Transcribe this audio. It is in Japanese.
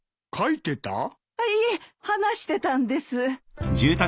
いえ話してたんです。